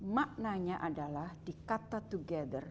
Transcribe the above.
maknanya adalah di kata together